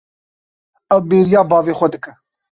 Ew bêriya bavê xwe dike.